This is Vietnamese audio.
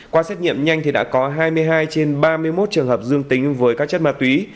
qua xét nghiệm nhanh thì đã có hai mươi hai trên ba mươi một trường hợp dương tính với các chất ma túy